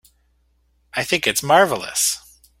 I think it's marvelous.